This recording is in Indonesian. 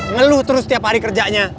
ngeluh terus setiap hari kerjanya